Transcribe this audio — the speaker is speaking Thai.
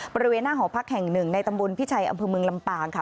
บริเวณหน้าหอพักแห่งหนึ่งในตำบลพิชัยอำเภอเมืองลำปางค่ะ